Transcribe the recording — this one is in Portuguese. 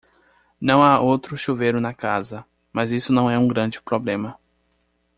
Não há outro chuveiro na casa, mas isso não é um grande problema.